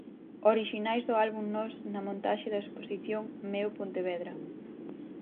Orixinais do Álbum Nós na montaxe da exposición 'Meu Pontevedra'.